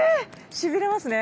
しびれますね。